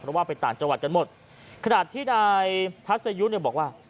เพราะว่าไปต่างจังหวัดกันหมดขนาดที่นายทัศยุเนี่ยบอกว่า